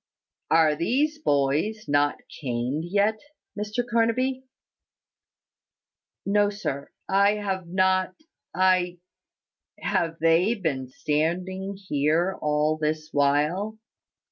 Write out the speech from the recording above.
"Are these boys not caned yet, Mr Carnaby?" "No, sir: I have not I " "Have they been standing here all this while?"